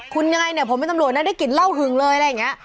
คุณยังไงเนี่ยผมเป็นตำรวจนะได้กลิ่นเหล้าหึงเลยอะไรอย่างนี้